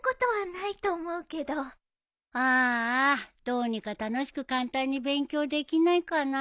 どうにか楽しく簡単に勉強できないかな？